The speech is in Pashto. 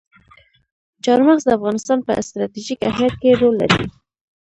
چار مغز د افغانستان په ستراتیژیک اهمیت کې رول لري.